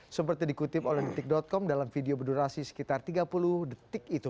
seperti dikutip oleh detik com dalam video berdurasi sekitar tiga puluh detik itu